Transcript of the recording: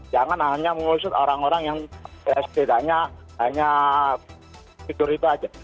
jangan hanya mengusut orang orang yang setidaknya hanya fitur itu saja